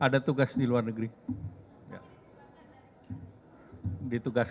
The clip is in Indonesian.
bagaimana kita menjawab pertanyaan yang terakhir